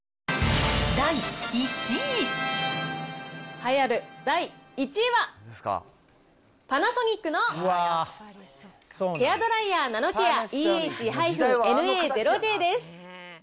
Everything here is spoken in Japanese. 栄えある第１位は、パナソニックのヘアードライヤーナノケアＥＨ−ＮＡ０Ｊです。